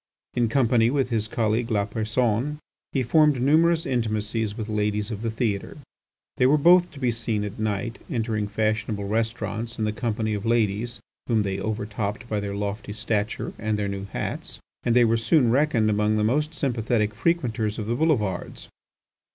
In company with his colleague Lapersonne he formed numerous intimacies with ladies of the theatre. They were both to be seen at night entering fashionable restaurants in the company of ladies whom they over topped by their lofty stature and their new hats, and they were soon reckoned amongst the most sympathetic frequenters of the boulevards.